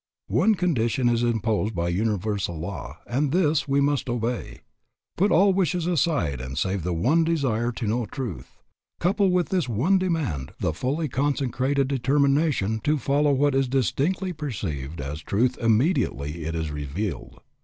"One condition is imposed by universal law, and this we must obey. Put all wishes aside save the one desire to know truth; couple with this one demand the fully consecrated determination to follow what is distinctly perceived as truth immediately it is revealed.